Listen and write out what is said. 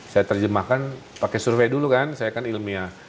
saya terjemahkan pakai survei dulu kan saya kan ilmiah